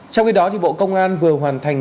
trong khi đó bộ công an vừa hoàn thành